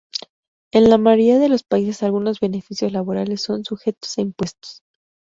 En la mayoría de los países algunos beneficios laborales son sujetos a impuestos.